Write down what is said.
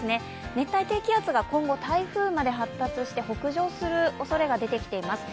熱帯低気圧が今後、台風まで発達して北上するおそれが出てきています。